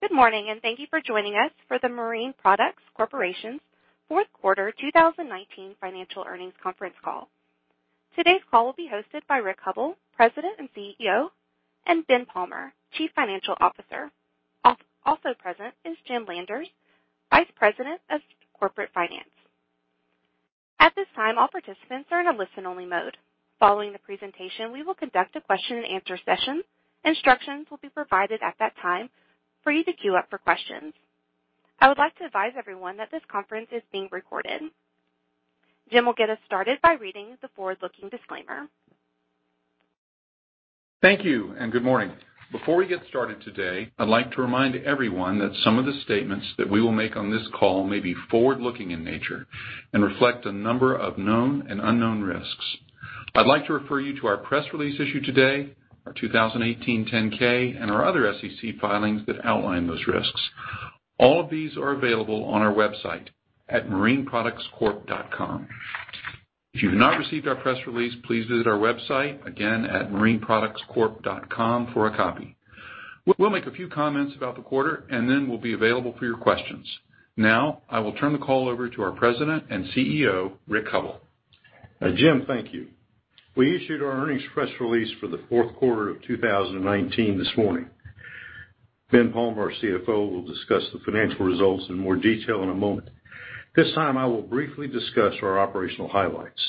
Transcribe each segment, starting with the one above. Good morning, and thank you for joining us for the Marine Products Corporation's Fourth Quarter 2019 Financial Earnings Conference Call. Today's call will be hosted by Rick Hubbell, President and CEO, and Ben Palmer, Chief Financial Officer. Also present is Jim Landers, Vice President of Corporate Finance. At this time, all participants are in a listen-only mode. Following the presentation, we will conduct a question-and-answer session. Instructions will be provided at that time for you to queue up for questions. I would like to advise everyone that this conference is being recorded. Jim will get us started by reading the forward-looking disclaimer. Thank you, and good morning. Before we get started today, I'd like to remind everyone that some of the statements that we will make on this call may be forward-looking in nature and reflect a number of known and unknown risks. I'd like to refer you to our press release issued today, our 2018 10-K, and our other SEC filings that outline those risks. All of these are available on our website at marineproductscorp.com. If you have not received our press release, please visit our website again at marineproductscorp.com for a copy. We'll make a few comments about the quarter, and then we'll be available for your questions. Now, I will turn the call over to our President and CEO, Rick Hubbell. Jim, thank you. We issued our earnings press release for the fourth quarter of 2019 this morning. Ben Palmer, our CFO, will discuss the financial results in more detail in a moment. This time, I will briefly discuss our operational highlights.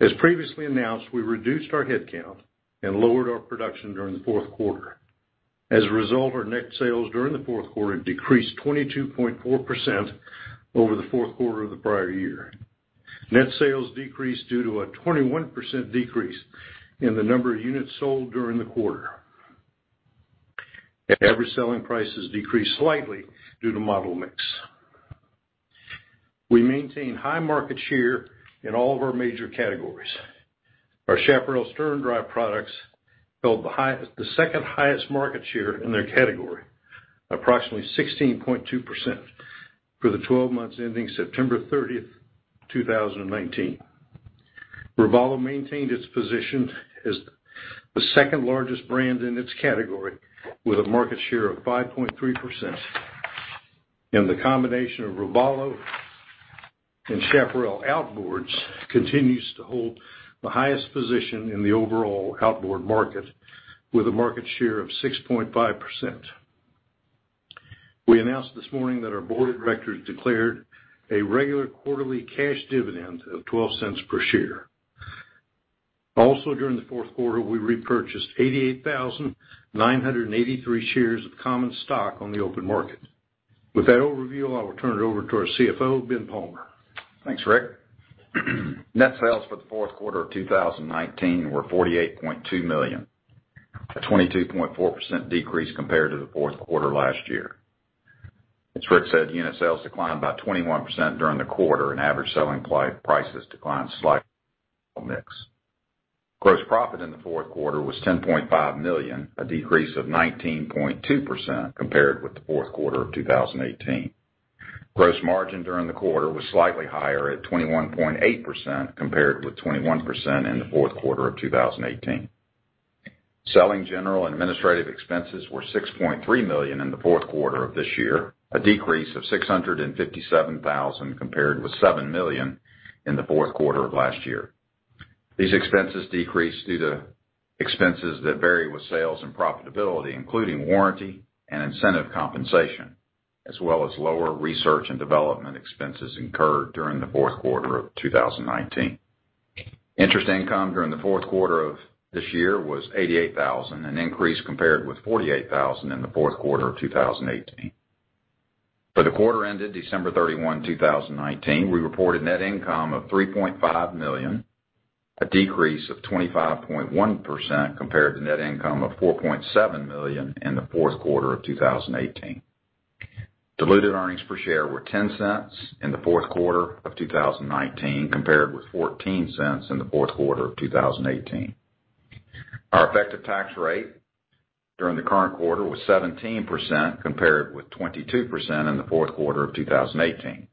As previously announced, we reduced our headcount and lowered our production during the fourth quarter. As a result, our net sales during the fourth quarter decreased 22.4% over the fourth quarter of the prior year. Net sales decreased due to a 21% decrease in the number of units sold during the quarter. Average selling prices decreased slightly due to model mix. We maintain high market share in all of our major categories. Our Chaparral Sterndrive products held the second highest market share in their category, approximately 16.2%, for the 12 months ending September 30th, 2019. Robalo maintained its position as the second largest brand in its category with a market share of 5.3%. The combination of Robalo and Chaparral outboards continues to hold the highest position in the overall outboard market with a market share of 6.5%. We announced this morning that our board of directors declared a regular quarterly cash dividend of $0.12 per share. Also, during the fourth quarter, we repurchased 88,983 shares of common stock on the open market. With that overview, I will turn it over to our CFO, Ben Palmer. Thanks, Rick. Net sales for the fourth quarter of 2019 were $48.2 million, a 22.4% decrease compared to the fourth quarter last year. As Rick said, unit sales declined by 21% during the quarter, and average selling prices declined slightly. Gross profit in the fourth quarter was $10.5 million, a decrease of 19.2% compared with the fourth quarter of 2018. Gross margin during the quarter was slightly higher at 21.8% compared with 21% in the fourth quarter of 2018. Selling, general and administrative expenses were $6.3 million in the fourth quarter of this year, a decrease of $657,000 compared with $7 million in the fourth quarter of last year. These expenses decreased due to expenses that vary with sales and profitability, including warranty and incentive compensation, as well as lower research and development expenses incurred during the fourth quarter of 2019. Interest income during the fourth quarter of this year was $88,000, an increase compared with $48,000 in the fourth quarter of 2018. For the quarter ended December 31, 2019, we reported net income of $3.5 million, a decrease of 25.1% compared to net income of $4.7 million in the fourth quarter of 2018. Diluted earnings per share were $0.10 in the fourth quarter of 2019 compared with $0.14 in the fourth quarter of 2018. Our effective tax rate during the current quarter was 17% compared with 22% in the fourth quarter of 2018.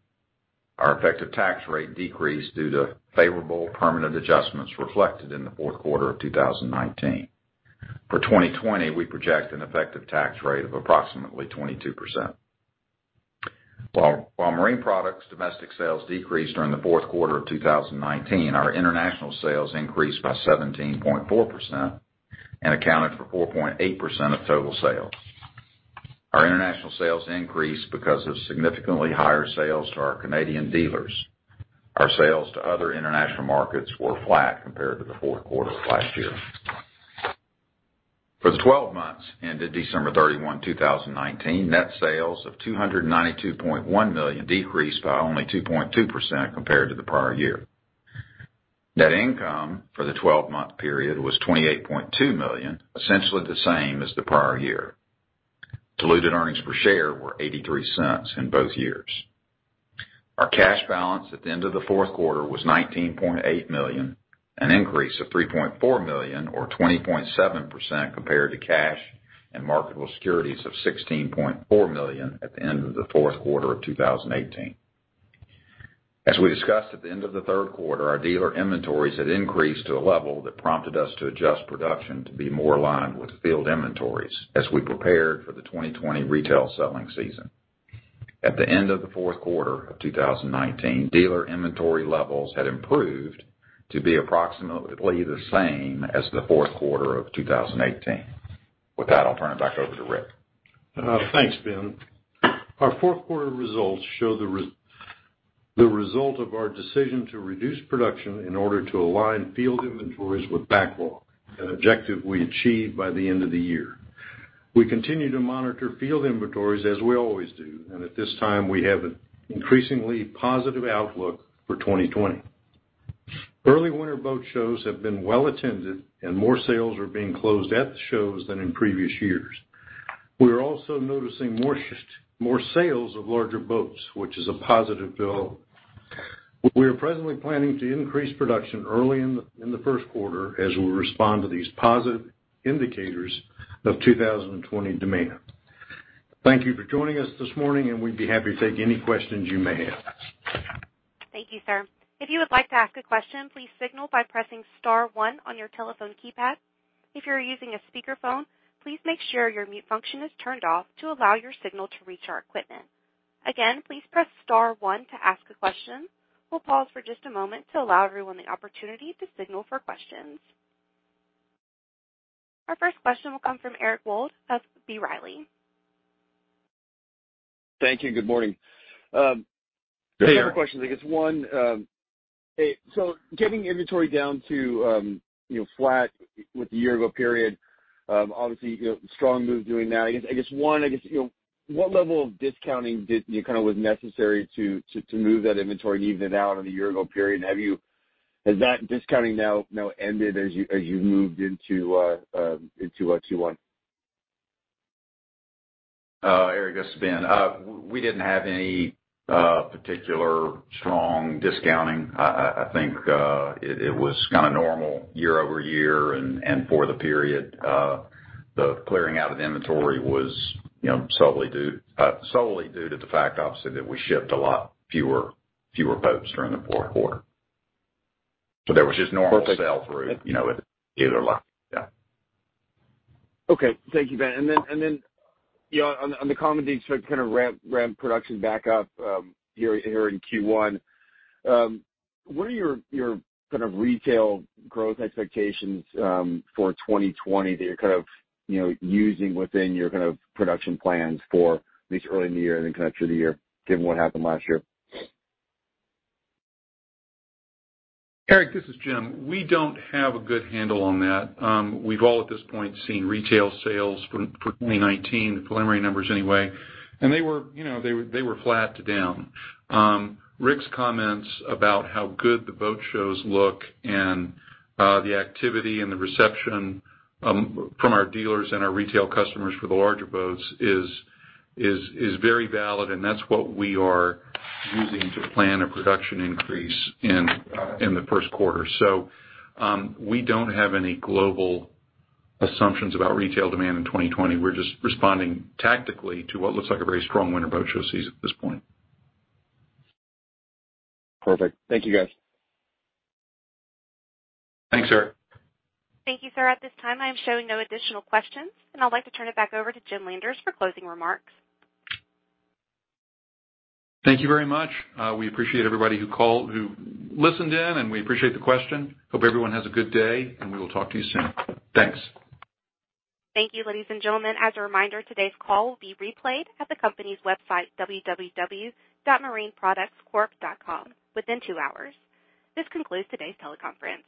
Our effective tax rate decreased due to favorable permanent adjustments reflected in the fourth quarter of 2019. For 2020, we project an effective tax rate of approximately 22%. While Marine Products' domestic sales decreased during the fourth quarter of 2019, our international sales increased by 17.4% and accounted for 4.8% of total sales. Our international sales increased because of significantly higher sales to our Canadian dealers. Our sales to other international markets were flat compared to the fourth quarter of last year. For the 12 months ended December 31, 2019, net sales of $292.1 million decreased by only 2.2% compared to the prior year. Net income for the 12-month period was $28.2 million, essentially the same as the prior year. Diluted earnings per share were $0.83 in both years. Our cash balance at the end of the fourth quarter was $19.8 million, an increase of $3.4 million or 20.7% compared to cash and marketable securities of $16.4 million at the end of the fourth quarter of 2018. As we discussed at the end of the third quarter, our dealer inventories had increased to a level that prompted us to adjust production to be more aligned with field inventories as we prepared for the 2020 retail selling season. At the end of the fourth quarter of 2019, dealer inventory levels had improved to be approximately the same as the fourth quarter of 2018. With that, I'll turn it back over to Rick. Thanks, Ben. Our fourth quarter results show the result of our decision to reduce production in order to align field inventories with backlog, an objective we achieved by the end of the year. We continue to monitor field inventories as we always do, and at this time, we have an increasingly positive outlook for 2020. Early winter boat shows have been well attended, and more sales are being closed at the shows than in previous years. We are also noticing more sales of larger boats, which is a positive development. We are presently planning to increase production early in the first quarter as we respond to these positive indicators of 2020 demand. Thank you for joining us this morning, and we'd be happy to take any questions you may have. Thank you, sir. If you would like to ask a question, please signal by pressing Star one on your telephone keypad. If you're using a speakerphone, please make sure your mute function is turned off to allow your signal to reach our equipment. Again, please press Star 1 to ask a question. We'll pause for just a moment to allow everyone the opportunity to signal for questions. Our first question will come from Eric Wold of B. Riley. Thank you. Good morning. Hey, Eric. I have a question. I guess one, getting inventory down to flat with the year-ago period, obviously, strong move doing that. I guess one, what level of discounting kind of was necessary to move that inventory and even it out in a year-ago period? Has that discounting now ended as you've moved into Q1? Eric, this is Ben. We didn't have any particular strong discounting. I think it was kind of normal year-over-year, and for the period, the clearing out of the inventory was solely due to the fact, obviously, that we shipped a lot fewer boats during the fourth quarter. There was just normal sales through the dealer line. Yeah. Okay. Thank you, Ben. On the common needs to kind of ramp production back up here in Q1, what are your kind of retail growth expectations for 2020 that you're kind of using within your kind of production plans for at least early in the year and then kind of through the year, given what happened last year? Eric, this is Jim. We do not have a good handle on that. We have all at this point seen retail sales for 2019, the preliminary numbers anyway, and they were flat to down. Rick's comments about how good the boat shows look and the activity and the reception from our dealers and our retail customers for the larger boats is very valid, and that is what we are using to plan a production increase in the first quarter. We do not have any global assumptions about retail demand in 2020. We are just responding tactically to what looks like a very strong winter boat show season at this point. Perfect. Thank you, guys. Thanks, sir. Thank you, sir. At this time, I am showing no additional questions, and I'd like to turn it back over to Jim Landers for closing remarks. Thank you very much. We appreciate everybody who listened in, and we appreciate the question. Hope everyone has a good day, and we will talk to you soon. Thanks. Thank you, ladies and gentlemen. As a reminder, today's call will be replayed at the company's website, www.marineproductscorp.com, within two hours. This concludes today's teleconference.